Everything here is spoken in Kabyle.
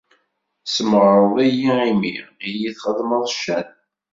Tesmeɣreḍ-iyi imi i iyi-txedmeḍ ccan.